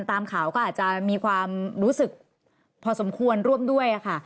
ตามข่าวก็อาจจะมีความรู้สึกพอสมควรร่วมด้วยค่ะ